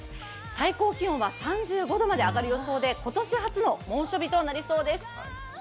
最高気温は３５度まで上がる予想で今年初の猛暑日となりそうです。